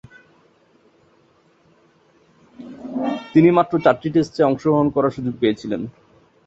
তিনি মাত্র চারটি টেস্টে অংশগ্রহণ করার সুযোগ পেয়েছিলেন।